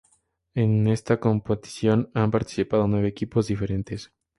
En esta competición han participado nueve equipos diferentes.